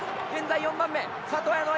現在４番目。